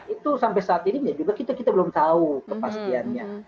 itu sampai saat ini kita juga belum tahu kepastiannya